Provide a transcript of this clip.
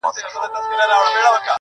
چي کرلي غزل ستوری په ا وبه کم،